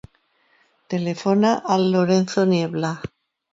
Telefona al Lorenzo Niebla.